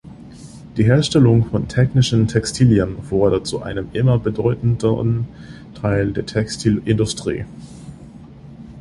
Die Herstellung von technischen Textilien wurde zu einem immer bedeutenderen Teil der Textilindustrie.